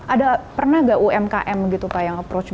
ada pernah nggak umkm gitu pak yang approach